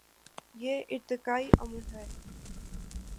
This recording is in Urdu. یہ ارتقائی عمل ہے۔